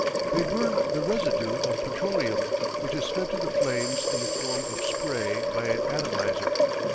They burn the residue of petroleum, which is fed to the flames in the form of spray by an atomizer.